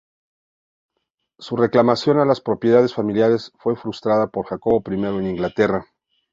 Su reclamación a las propiedades familiares fue frustrada por Jacobo I de Inglaterra.